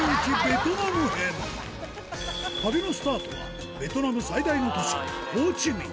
旅のスタートはベトナム最大の都市イェイ！